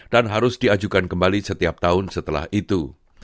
dan harus diajukan kembali setiap tahun setelah itu